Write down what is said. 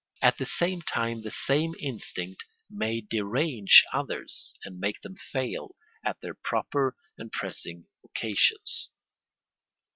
At the same time the same instinct may derange others, and make them fail at their proper and pressing occasions.